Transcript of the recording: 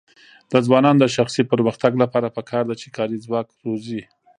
د ځوانانو د شخصي پرمختګ لپاره پکار ده چې کاري ځواک روزي.